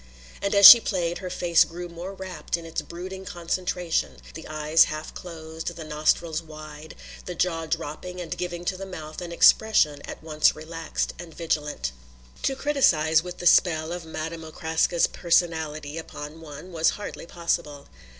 And as she played her face grew more rapt in its brooding concentration, the eyes half closed, the nostrils wide, the jaw dropping and giving to the mouth an expression at once relaxed and vigilant. To criticize with the spell of Madame Okraska's personality upon one was hardly possible.